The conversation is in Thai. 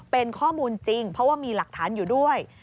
เป็นข้อมูลจริงเพราะว่ามีหลักฐานอยู่ด้วย